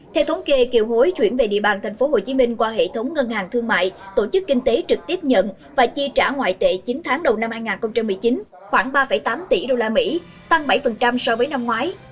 theo thống kê kiều hối chuyển về địa bàn tp hcm qua hệ thống ngân hàng thương mại tổ chức kinh tế trực tiếp nhận và chi trả ngoại tệ chín tháng đầu năm hai nghìn một mươi chín khoảng ba tám tỷ usd tăng bảy so với năm ngoái